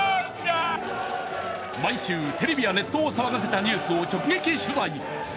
毎週、テレビやネットを騒がせたニュースを直撃取材。